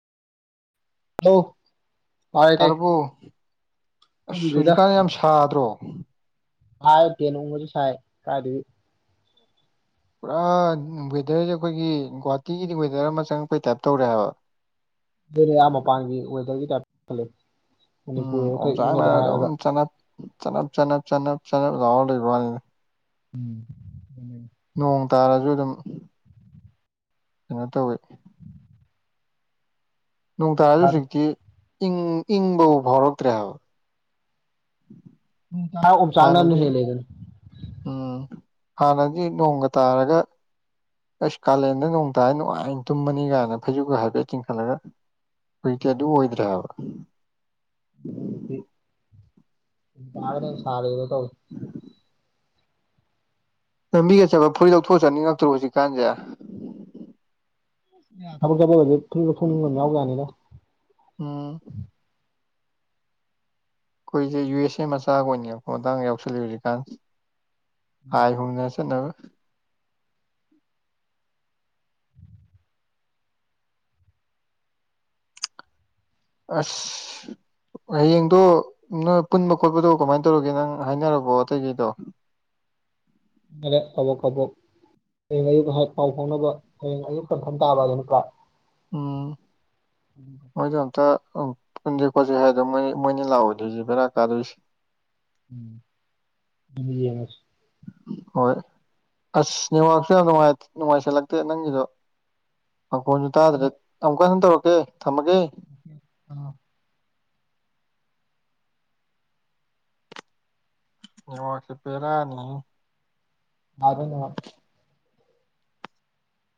ꯍ [unintelligible] [inaudible] ꯇꯥꯕꯨꯣ ꯑꯁ ꯇꯨꯝꯗ꯭ꯔꯤꯗ ꯁꯨꯖꯤꯨꯀꯥꯟ ꯌꯥꯝ ꯁꯥꯗ꯭ꯔꯣ ꯍꯥꯏꯠꯇꯦ ꯅ ꯎꯉꯁꯨ ꯁꯥꯏ ꯀꯗꯗꯤ ꯄꯨꯔꯥ ꯋꯦꯗꯔꯁꯦ ꯑꯩꯈꯣꯏꯒꯤ ꯒꯨꯍꯥꯇꯤꯒꯤꯗꯤ ꯋꯦꯗꯔ ꯑꯃ ꯆꯪꯉꯛꯄꯩ ꯇꯥꯏꯞ ꯇꯧꯔꯦ ꯍꯥꯏꯕ [unintelligible] [inaudible] ꯑꯗꯨ ꯃꯄꯥꯟꯒꯤ ꯋꯦꯗꯔꯒꯤ ꯇꯥꯏꯇ ꯈꯦ ꯎꯝ ꯑꯣ ꯆꯥꯡ ꯅꯥꯔ ꯆꯅꯞ ꯆꯞ ꯆꯅꯞ ꯆꯅꯤꯅꯤ ꯎꯝ ꯎ ꯅꯣꯡ ꯇꯥꯔꯁꯨ ꯑꯗꯨꯝ ꯀꯩꯅꯣ ꯇꯧꯋꯦ ꯅꯨꯡꯇꯥꯁꯨ ꯍꯧꯖꯤꯛꯇꯤ ꯏꯪ ꯏꯪꯕꯥꯎ ꯐꯥꯎꯔꯛꯇ꯭ꯔꯦꯕ ꯎ ꯎꯆ ꯆꯥꯗ ꯍꯥꯟꯅꯗꯤ ꯂꯩꯒꯅ ꯎꯝ ꯍꯥꯟꯅꯗꯤ ꯅꯣꯡꯒ ꯇꯥꯔꯒ ꯑꯁ ꯀꯥꯂꯦꯟꯗ ꯅꯣꯡꯇꯥꯏ ꯅꯨꯡꯉꯥꯏꯅ ꯇꯨꯝꯃꯅꯤ ꯀꯥꯏꯅ ꯐꯩꯖꯒ ꯍꯥꯏꯐꯦꯠ ꯆꯤꯡꯈꯠꯂꯒ ꯍꯧꯖꯤꯛꯇꯤ ꯑꯗꯨ ꯑꯣꯏꯗ꯭ꯔꯦꯕ ꯑ ꯍꯧꯛꯇ ꯌꯥꯥꯔ ꯅ ꯁꯥꯔꯗ ꯀꯧ ꯂꯝꯕꯤꯒ ꯆꯠꯄ ꯐꯨꯔꯤ ꯂꯧꯊꯣꯛꯑ ꯆꯠꯅꯤꯡꯉꯛꯇ꯭ꯔꯣ ꯍꯧꯖꯤꯛꯀꯥꯟꯁꯦ ꯈꯔ ꯈꯔꯦ ꯐ ꯐ ꯌꯥꯎꯒꯅꯤꯗ ꯎꯝ ꯑꯩꯈꯣꯏꯁꯦ ꯌꯨ ꯑꯦꯁ ꯑꯦ ꯃꯆꯥꯒ ꯑꯣꯏꯅꯅꯦꯕꯀꯣ ꯃꯇꯥꯡ ꯌꯥꯎꯁꯜꯂꯤ ꯍꯧꯖꯤꯛꯀꯥꯟ ꯑꯥꯏ ꯈꯪꯗꯔꯦ ꯍꯟ ꯅꯁꯦ ꯅꯕ ꯑ ꯍꯌꯦꯡꯗꯣ ꯅꯣꯏ ꯄꯨꯟꯕ ꯈꯣꯠꯄꯗꯣ ꯀꯃꯥꯏꯅ ꯇꯧꯔꯒꯦ ꯅꯪ ꯍꯥꯏꯅꯔꯕꯣ ꯑꯇꯩꯒꯤꯩꯗꯣ [inaudible] ꯑꯔꯦ ꯀꯕꯣ ꯀꯕꯣ ꯍꯌꯦꯡ ꯑꯌꯨꯛꯇ ꯍꯥꯛ ꯄꯥꯎ ꯐꯥꯎꯅꯕ ꯍꯌꯦꯡ ꯑꯌꯨꯛ ꯀꯟꯐꯝ ꯇꯥꯕ ꯑꯗꯨꯅꯀ ꯎꯝ ꯃꯣꯏꯗꯣ ꯑꯝꯇ ꯎ ꯄꯨꯟꯁꯦ ꯈꯣꯠꯆꯦ ꯍꯥꯏꯗꯣ ꯃꯣꯏ ꯃꯣꯏꯅ ꯂꯥꯛꯑꯣꯗꯣꯏꯁꯦ ꯕꯦꯔꯥ ꯀꯥꯗꯣꯏꯁꯦ ꯎꯝ ꯎꯁ ꯍꯣꯏ ꯑꯁ ꯅꯅꯤꯋꯥꯛꯁꯨ ꯌꯥꯝ ꯅꯨꯡꯉꯥꯏꯁꯤꯜꯂꯛꯇꯦ ꯅꯪꯒꯤꯗꯣ ꯃꯈꯪꯈꯣꯟꯁꯨ ꯇꯥꯗ꯭ꯔꯦ ꯑꯃꯨꯛꯀ ꯁꯪ ꯇꯧꯔꯛꯀꯦ ꯊꯝꯃꯒꯦ ꯑꯣ ꯋꯥꯁꯤ ꯄꯦꯔꯥꯅꯤ ꯑ ꯑꯗꯨꯅꯅꯨꯡ